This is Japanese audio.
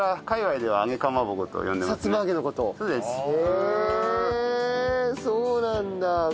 へえそうなんだ。